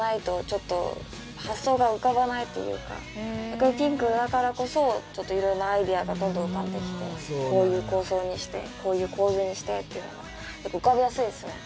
逆にピンクだからこそちょっと色んなアイデアがどんどん浮かんできてこういう構造にしてこういう構図にしてっていうのがやっぱり浮かびやすいですね